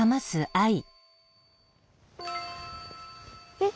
えっ？